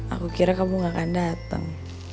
aku kira kamu gak akan datang